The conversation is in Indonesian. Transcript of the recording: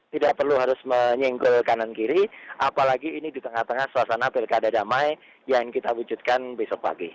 tidak perlu harus menyenggol kanan kiri apalagi ini di tengah tengah suasana pilkada damai yang kita wujudkan besok pagi